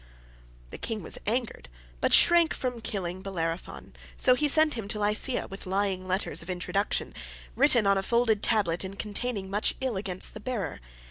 The king was angered, but shrank from killing Bellerophon, so he sent him to Lycia with lying letters of introduction, written on a folded tablet, and containing much ill against the bearer.